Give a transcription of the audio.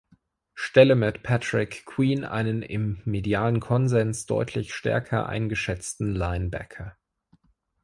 Stelle mit Patrick Queen einen im medialen Konsens deutlich stärker eingeschätzten Linebacker.